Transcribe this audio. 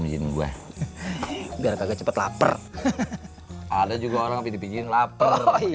cepet cepet lapar ada juga orang dipikirin lapar